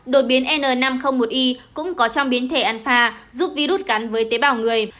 đột biến n năm trăm linh một i cũng có trong biến thể alpha giúp virus cắn với tế bào người